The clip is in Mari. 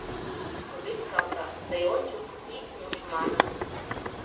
Совет салтак, тый ончык ит нуш манын